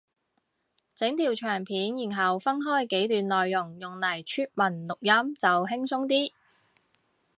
整條長片然後分開幾段內容用嚟出文錄音就輕鬆啲